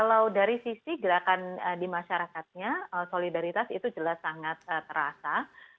kalau dari sisi gerakan di masyarakatnya solidaritas itu jelas sangat terasa